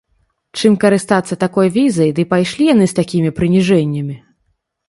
Чым карыстацца такой візай, ды пайшлі яны з такімі прыніжэннямі!